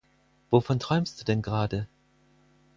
Wovon träumst du denn gerade?